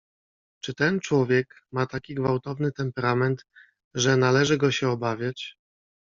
"Czy ten człowiek ma taki gwałtowny temperament, że należy go się obawiać?"